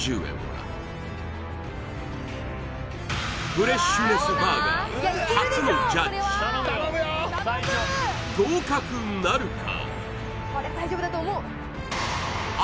フレッシュネスバーガー初のジャッジ合格なるか？